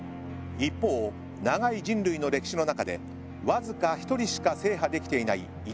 一方長い人類の歴史の中でわずか一人しか制覇できていない頂があります。